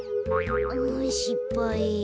んしっぱい。